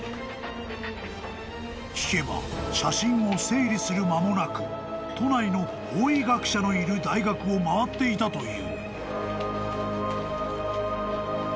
［聞けば写真を整理する間もなく都内の法医学者のいる大学を回っていたという］